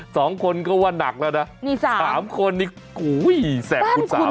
สองคนก็ว่าหนักเนี่ยสามคนนี่แซ่มคุณสาม